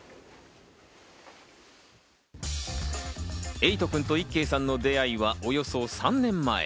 エイトくんといっけいさんの出会いはおよそ３年前。